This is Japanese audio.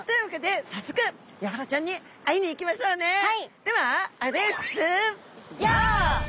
では。